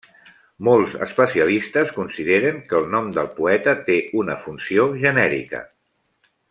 Molts especialistes consideren que el nom del poeta té una funció genèrica.